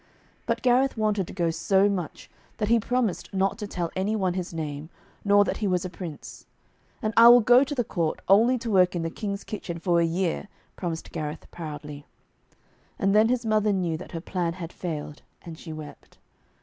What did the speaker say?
But Gareth wanted to go so much, that he promised not to tell any one his name, nor that he was a prince. 'And I will go to the court, only to work in the King's kitchen for a year,' promised Gareth proudly. And then his mother knew that her plan had failed, and she wept.